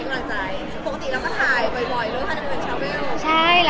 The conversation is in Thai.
กำลังใจปกติแล้วก็ถ่ายบ่อยเลยค่ะ